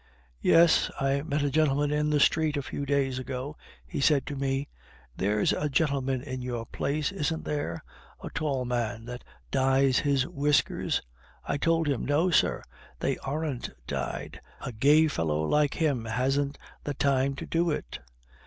"Yes. I met a gentleman in the street a few days ago; he said to me, 'There's a gentleman in your place, isn't there? a tall man that dyes his whiskers?' I told him, 'No, sir; they aren't dyed. A gay fellow like him hasn't the time to do it.